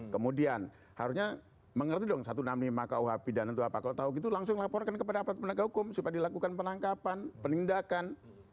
kemudian harusnya mengerti dong satu ratus enam puluh lima kuh pidan atau apa kalau tahu gitu langsung laporkan kepada aparat penegak hukum supaya dilakukan penangkapan penindakan